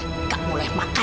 enggak boleh makan